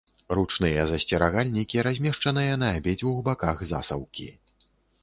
Ручныя засцерагальнікі размешчаныя на абедзвюх баках засаўкі.